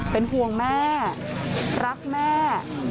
เป็นห่วงแม่รักแม่